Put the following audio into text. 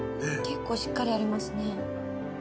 結構しっかりありますね。